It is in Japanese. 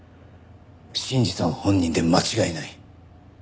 信二さん本人で間違いない。